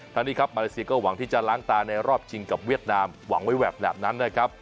ทางนี้ครับมาเลเซียก็หวังที่จะล้างตาในรอบชิงกับเวียดนามหวังไว้แบบนั้นนะครับ